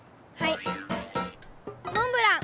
モンブラン！